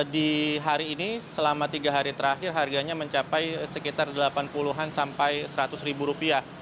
di hari ini selama tiga hari terakhir harganya mencapai sekitar delapan puluh an sampai seratus ribu rupiah